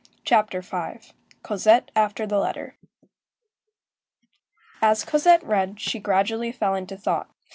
CHAPTER V—COSETTE AFTER THE LETTER As Cosette read, she gradually fell into thought.